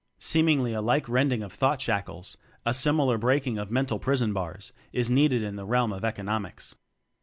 Seemingly a like rending of thought shackles, a similar breaking of mental prison bars, is needed in the realm of Economics.